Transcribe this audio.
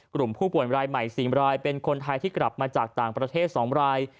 กลุ่มผู้ป่วยรายใหม่๔รายเป็นคนไทยที่กลับมาจากต่างประเทศ๒ราย